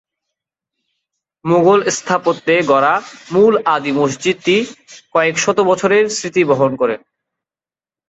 মোগল স্থাপত্যে গড়া মূল আদি মসজিদটি কয়েকশত বছরের স্মৃতি বহন করে।